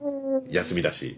休みだし。